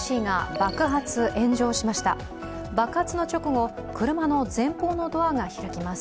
爆発の直後、車の前方のドアが開きます。